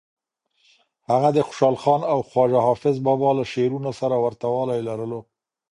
هغه د خوشحال خان او خواجه حافظ بابا له شعرونو سره ورته والی لرلو.